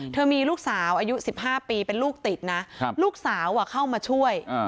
มีลูกสาวอายุ๑๕ปีเป็นลูกติดนะลูกสาวเข้ามาช่วย